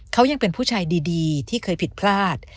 เขายังเป็นผู้ชายดีที่เคยผิดพลาด